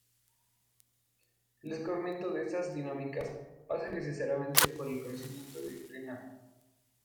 El descubrimiento de estas dinámicas pasa necesariamente por el conocimiento disciplinario.